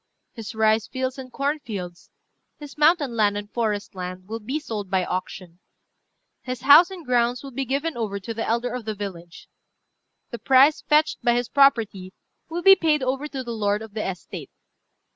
"His rice fields and corn fields, his mountain land and forest land, will be sold by auction. His house and grounds will be given over to the elder of the village. The price fetched by his property will be paid over to the lord of the estate.